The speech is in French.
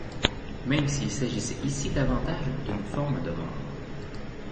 Même s’il s’agissait ici davantage d’une forme de mort.